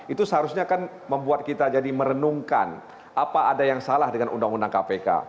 itu seharusnya kan membuat kita jadi merenungkan apa ada yang salah dengan undang undang kpk